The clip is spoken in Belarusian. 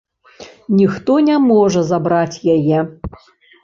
Ніхто не можа забраць яе.